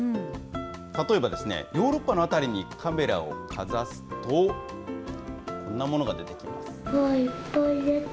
例えば、ヨーロッパの辺りにカメラをかざすと、こんなものが出てきます。